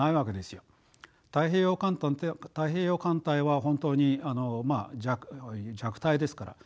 太平洋艦隊は本当に弱体ですから。